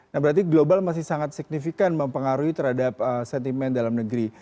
nah berarti global masih sangat signifikan mempengaruhi terhadap sentimen dalam negeri